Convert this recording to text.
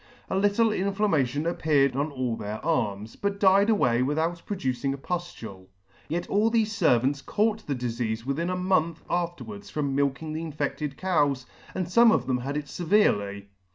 A little inflammation appeared on all their arms, but died away without producing a puftule; yet all thefe fervants caught the difeafe within a month afterwards from milking the infedted cows, and fome of them had it feverely.